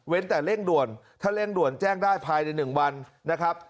แต่เร่งด่วนถ้าเร่งด่วนแจ้งได้ภายใน๑วันนะครับ